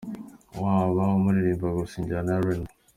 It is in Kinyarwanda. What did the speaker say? com : Waba uririmba gusa ijyana ya RNB ?.